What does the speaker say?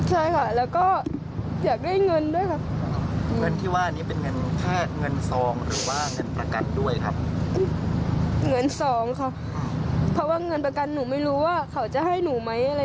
หรือว่าพ่อมีประกันอยู่